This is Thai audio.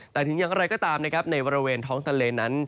แต่ถึงอย่างไรก็ตามนะครับในบริเวณท้องทะเลนั้น